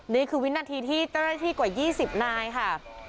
นี่คือวินาทีที่เจ้าหน้าที่กว่า๒๐นายค่ะ